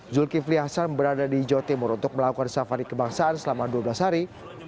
zulkifli hasan berada di jawa timur untuk melakukan safari kebangsaan selama dua belas hari